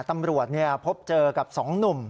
ตำรวจเนี่ยพบเจอกับสองหนุ่ม